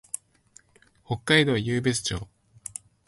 北海道湧別町